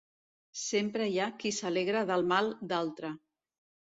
Sempre hi ha qui s'alegra del mal d'altre.